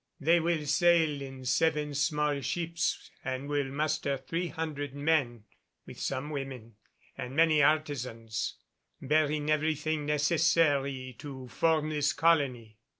They will sail in seven small ships and will muster three hundred men, with some women and many artisans bearing everything necessary to form this colony."